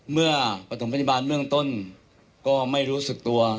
เมื่อปฐมพยาบาลเบื้องต้นก็ไม่รู้สึกตัว